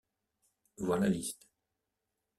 Voir la liste.